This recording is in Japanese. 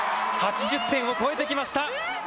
８０点を超えてきました！